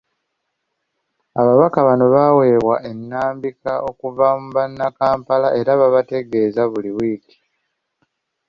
Ababaka bano baweebwa ennambika okuva mu banampala era babategeeza buli wiiki